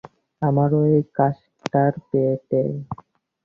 আমরা ওই কার্সটার পেটে!